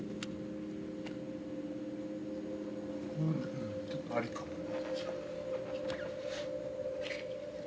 うんちょっとありかもね。